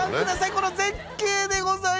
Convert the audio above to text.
この絶景でございます！